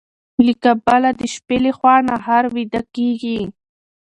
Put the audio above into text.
له کبله د شپې لخوا نهر ويده کيږي.